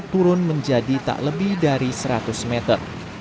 turun menjadi tak lebih dari seratus meter